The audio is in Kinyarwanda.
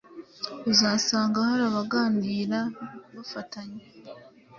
Uzasanga hari abaganira bafatanye